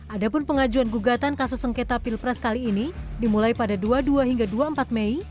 adapun pengajuan gugatan kasus sengketa pilpres kali ini dimulai pada dua puluh dua hingga dua puluh empat mei